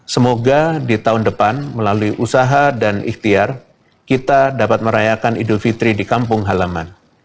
semoga di tahun depan melalui usaha dan ikhtiar kita dapat merayakan idul fitri di kampung halaman